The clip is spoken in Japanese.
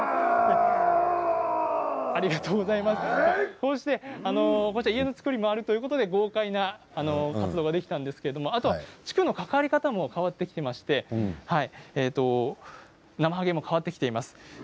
こうした家の造りもあるということで豪快な活動ができたんですけどあと地区の関わり方も変わってきていましてなまはげも変わってきています。